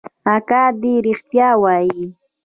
اکا دې ريښتيا وايي.